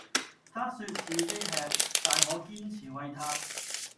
她說自己吃，但我堅持餵她